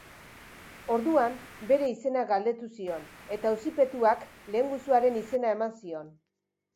Orduan, bere izena galdetu zion, eta auzipetuak lehengusuaren izena eman zion.